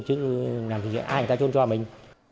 chứ làm gì ai người ta trôn cho mình